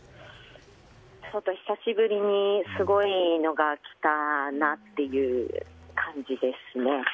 久しぶりにすごいのが来たなっていう感じですね。